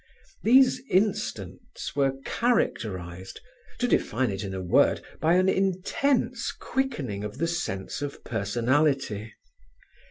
These instants were characterized—to define it in a word—by an intense quickening of the sense of personality.